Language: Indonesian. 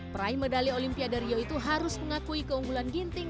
prai medali olimpia dario itu harus mengakui keunggulan ginting